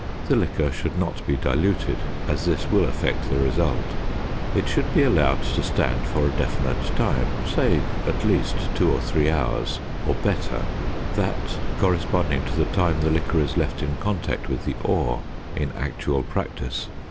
The liquor should not be diluted as this will affect the result. It should be allowed to stand for a definite time, say at least two or three hours, or better, that corresponding to the time the liquor is left in contact with the ore in actual practice.